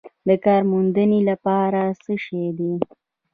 د کار موندنې لپاره څه شوي دي؟